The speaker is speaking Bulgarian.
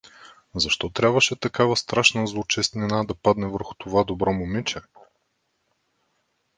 Защо трябваше такава страшна злочестина да падне върху това добро момиче?